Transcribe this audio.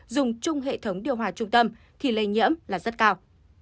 dùng chung hệ thống điều hòa trung tâm khi lây nhiễm là rất cao